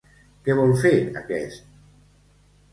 Què vol fer aquest?